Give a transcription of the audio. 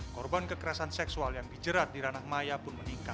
korban kekerasan seksual yang dijerat di ranah maya pun meningkat